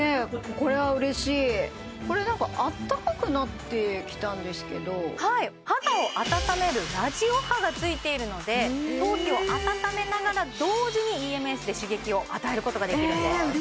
これは嬉しいこれなんかはい肌を温めるラジオ波がついているので頭皮を温めながら同時にＥＭＳで刺激を与えることができるんです